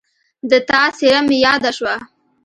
د تا څېره مې یاده شوه